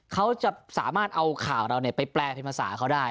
เขาจะสามารถเอาข่าวเราไปแปลเป็นภาษาเขาได้